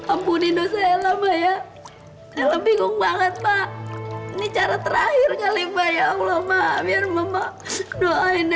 assalamualaikum warahmatullahi wabarakatuh